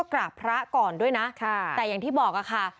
กราบพระก่อนด้วยนะแต่อย่างที่บอกค่ะ